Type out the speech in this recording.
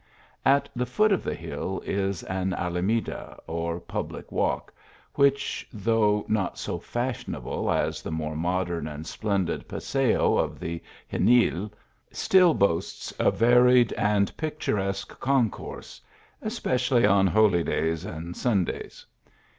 At the foot of the jjiU is an alameda or public walk, which, though fiol so fashionable as the more modern and splendid paseo of the Xenil, still boasts a varied and picturesque concourse, especially on holydays and Sundays.